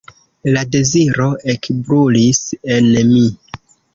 La deziro ekbrulis en mi.